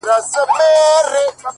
گراني شاعري زه هم داسي يمه!!